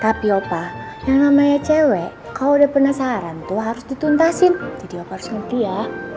tapi opa yang namanya cewek kalo udah penasaran tuh harus dituntasin jadi opa harus ngerti ya